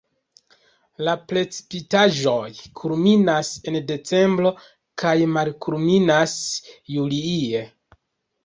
La precipitaĵoj kulminas en decembro kaj malkulminas julie.